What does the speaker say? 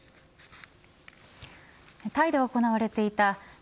タイで行われていたＡＰＥＣ